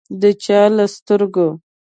د چا له سترګو